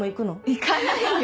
行かないよ！